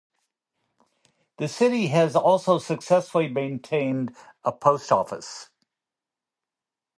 The city has also successfully maintained a post office.